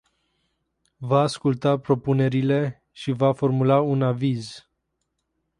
Va asculta propunerile și va formula un aviz.